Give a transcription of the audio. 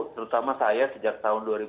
terutama saya sejak tahun dua ribu dua belas